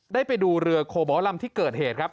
ได้ไปดูเรือโคบอลลำที่เกิดเหตุครับ